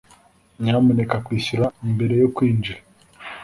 nyamuneka kwishyura mbere yo kwinjira!